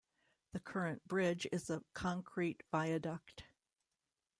The current bridge is a concrete viaduct.